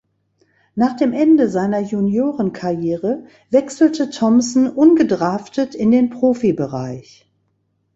Nach dem Ende seiner Juniorenkarriere wechselte Thomson ungedraftet in den Profibereich.